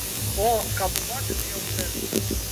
О, каб убачыў ён сэрца!